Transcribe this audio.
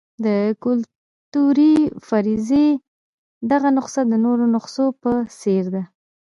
د کلتوري فرضیې دغه نسخه د نورو نسخو په څېر ده.